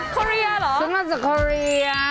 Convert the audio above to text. คอเรียหรือชั้นว่าจะคอเรีย